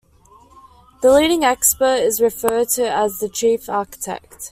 The leading expert is referred to as the "chief architect".